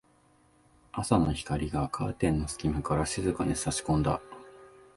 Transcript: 朝の光がカーテンの隙間から静かに差し込んだ。